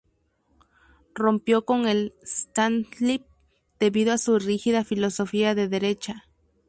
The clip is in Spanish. Rompió con el "Stahlhelm" debido a su rígida filosofía de derecha.